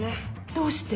どうして？